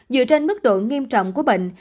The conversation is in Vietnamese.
dựa trên mức độ nghiêm trọng của bệnh